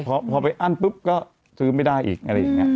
พอไปอั้นปุ๊บก็ซื้อไม่ได้อีกอะไรอย่างนี้